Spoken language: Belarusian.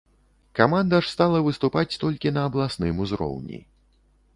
Каманда ж стала выступаць толькі на абласным узроўні.